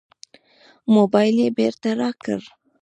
موبایل یې بېرته راکړ.